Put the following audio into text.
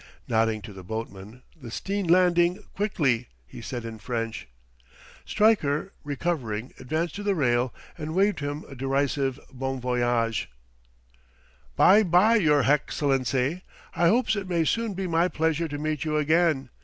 Nodding to the boatman, "The Steen landing quickly," he said in French. Stryker, recovering, advanced to the rail and waved him a derisive bon voyage. "By by, yer hexcellency. I 'opes it may soon be my pleasure to meet you again.